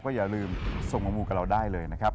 อย่าลืมส่งมามูกับเราได้เลยนะครับ